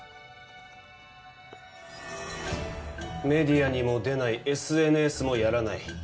メディアにも出ないＳＮＳもやらない